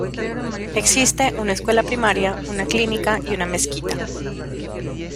Existe una escuela primaria, una clínica y una mezquita.